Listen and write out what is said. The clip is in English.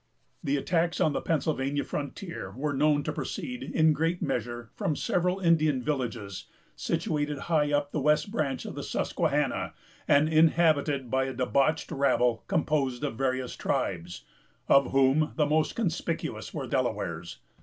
The attacks on the Pennsylvania frontier were known to proceed, in great measure, from several Indian villages, situated high up the west branch of the Susquehanna, and inhabited by a debauched rabble composed of various tribes, of whom the most conspicuous were Delawares.